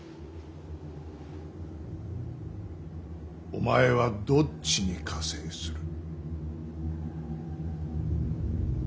お前はどっちに加勢する。